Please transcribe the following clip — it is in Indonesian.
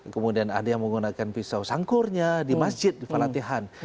kemudian ada yang menggunakan pisau sangkurnya di masjid di falatihan